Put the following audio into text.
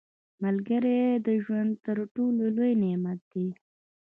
• ملګری د ژوند تر ټولو لوی نعمت دی.